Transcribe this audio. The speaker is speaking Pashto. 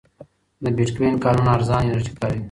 د بېټکوین کانونه ارزانه انرژي کاروي.